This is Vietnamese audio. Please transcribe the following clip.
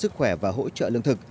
sức khỏe và hỗ trợ lương thực